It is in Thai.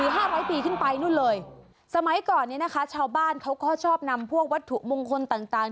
ห้าร้อยปีขึ้นไปนู่นเลยสมัยก่อนเนี้ยนะคะชาวบ้านเขาก็ชอบนำพวกวัตถุมงคลต่างต่าง